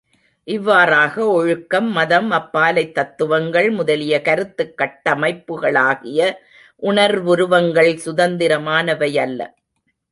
இவ்வாறாக ஒழுக்கம், மதம், அப்பாலைத் தத்துவங்கள் முதலிய கருத்துக் கட்டமைப்புகளாகிய உணர்வுருவங்கள் சுதந்திரமானவையல்ல.